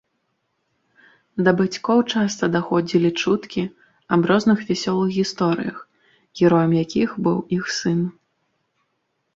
Да бацькоў часта даходзілі чуткі аб розных вясёлых гісторыях, героем якіх быў іх сын.